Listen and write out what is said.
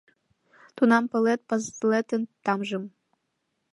Тунам палет пызлетын тамжым —